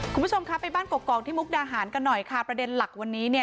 คุณผู้ชมครับไปบ้านกกอกที่มุกดาหารกันหน่อยค่ะประเด็นหลักวันนี้เนี่ย